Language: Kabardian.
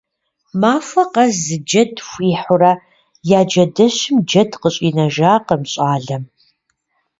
Махуэ къэс зы джэд хуихьурэ, я джэдэщым джэд къыщӏинэжакъым щӏалэм.